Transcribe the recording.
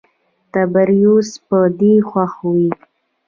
تبریوس په دې خوښ و.